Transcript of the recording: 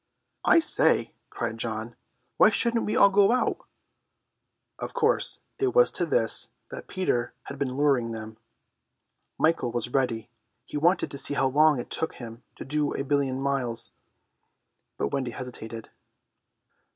"I say," cried John, "why shouldn't we all go out?" Of course it was to this that Peter had been luring them. Michael was ready: he wanted to see how long it took him to do a billion miles. But Wendy hesitated.